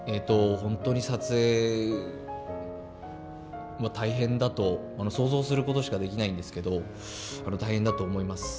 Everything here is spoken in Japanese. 本当に撮影大変だと想像することしかできないんですけど大変だと思います。